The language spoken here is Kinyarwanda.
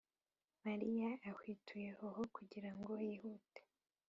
mariya ahwituye hoho kugira ngo yihute